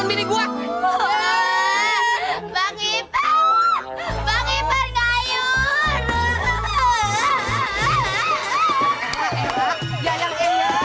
manusia pas tenang